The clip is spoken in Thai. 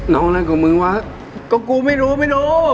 อะไรก็มึงวะก็กูไม่รู้ไม่รู้